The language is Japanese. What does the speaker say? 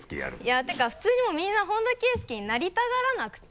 いやというか普通にもうみんな本田圭佑になりたがらなくて。